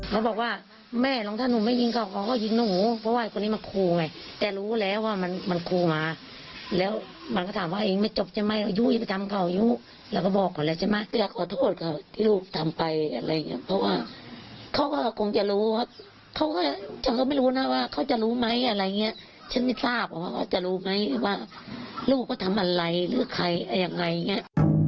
ฉันไม่ทราบว่าจะรู้ไหมว่าลูกก็ทำอะไรหรือใครอย่างไรอย่างเงี้ย